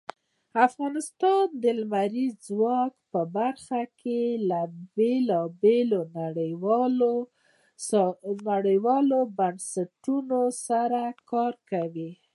افغانستان د لمریز ځواک په برخه کې له بېلابېلو نړیوالو بنسټونو سره کار کوي.